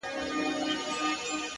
هغه به چاسره خبري کوي”